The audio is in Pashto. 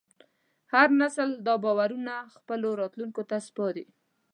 هر نسل دا باورونه خپلو راتلونکو ته سپاري.